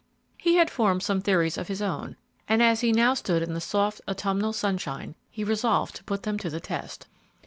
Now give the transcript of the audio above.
He had formed some theories of his own, and as he now stood in the soft, autumnal sunshine, he resolved to put them to the test.